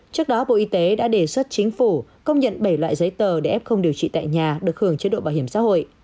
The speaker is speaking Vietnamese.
trước đó bộ y tế đã đề xuất chính phủ công nhận bảy loại giấy tờ để f điều trị tại nhà được hưởng chế độ bảo hiểm xã hội